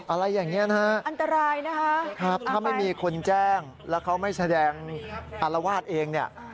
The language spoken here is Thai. อะไรอย่างนี้นะฮะถ้าไม่มีคนแจ้งแล้วเขาไม่แสดงอรวาสเองเนี่ย